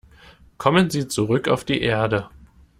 Kommen Sie zurück auf die Erde.